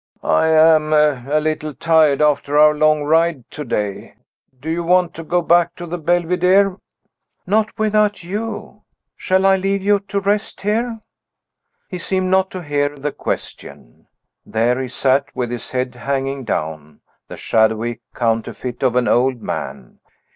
"I am a little tired after our long ride to day. Do you want to go back to the Belvidere?" "Not without you. Shall I leave you to rest here?" He seemed not to hear the question. There he sat, with his head hanging down, the shadowy counterfeit of an old man.